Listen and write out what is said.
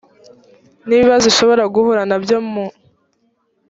n ibibazo ishobora guhura na byo mu